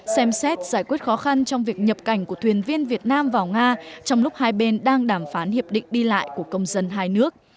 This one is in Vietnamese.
xem xét giải quyết khó khăn trong việc nhập cảnh của thuyền viên việt nam vào nga trong lúc hai bên đang đàm phán hiệp định đi lại của công dân hai nước